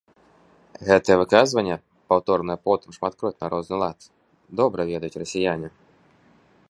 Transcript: Гэтае выказванне, паўторанае потым шматкроць на розны лад, добра ведаюць расіяне.